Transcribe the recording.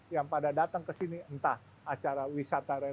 yang pada datang ke sini entah acara wisata religi